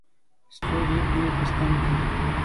ستوري وپېي په ستن کې